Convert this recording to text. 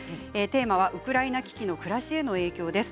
テーマはウクライナ危機の暮らしへの影響です。